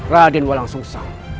raden walang sungsang